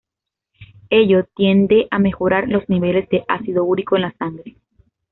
Ello tiende a mejorar los niveles de ácido úrico en la sangre.